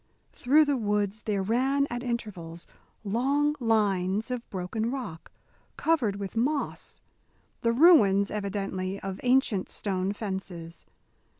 Through the woods there ran at intervals long lines of broken rock, covered with moss the ruins, evidently, of ancient stone fences.